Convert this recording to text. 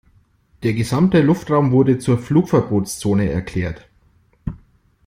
Der gesamte Luftraum wurde zur Flugverbotszone erklärt.